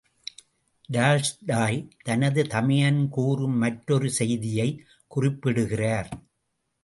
Tolstoy தனது தமையன் கூறும் மற்றொரு செய்தியை குறிப்பிடுகிறார்.